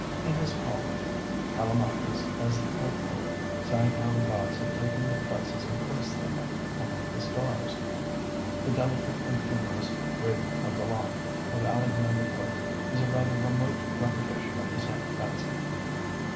In his poem, Callimachus as the court poet sang how the gods had taken the tresses and placed them among the stars. The delicate and humorous 'Rape of the Lock' of Alexander Pope is a rather remote repetition of the same fancy.